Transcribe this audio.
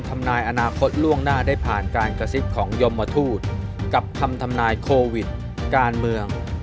ผมกำลังคุยกับยมทูตผ่านเธอ